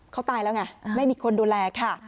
เขาตายแล้วไงไม่มีคนดูแลค่ะ